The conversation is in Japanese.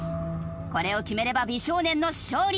これを決めれば美少年の勝利。